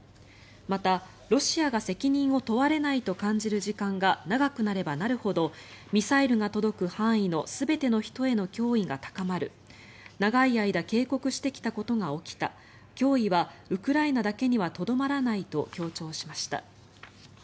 またロシアが責任を問われないと感じる時間が長くなればなるほどミサイルが届く範囲の全ての人への脅威が高まる長い間警告してきたことが起きた脅威はウクライナだけにはとどまらないと強調しました。